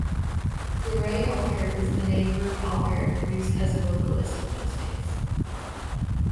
Dore Alpert was the name Herb Alpert used as a vocalist in those days.